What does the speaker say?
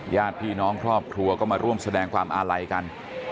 ญาติพี่น้องครอบครัวก็มาร่วมแสดงความอาลัยกัน